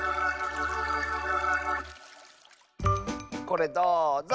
これどうぞ！